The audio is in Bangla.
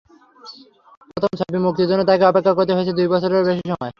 প্রথম ছবি মুক্তির জন্য তাঁকে অপেক্ষা করতে হয়েছে দুই বছরেরও বেশি সময়।